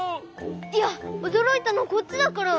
いやおどろいたのこっちだから！